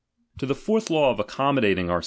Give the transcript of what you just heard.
To the fourth law of accommodating our fui.